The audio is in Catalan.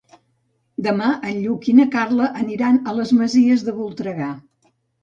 Demà en Lluc i na Carla aniran a les Masies de Voltregà.